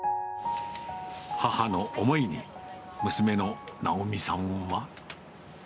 母の思いに、娘の直美さんは。